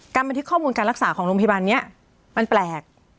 บันทึกข้อมูลการรักษาของโรงพยาบาลนี้มันแปลก